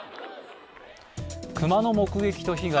熊の目撃と被害。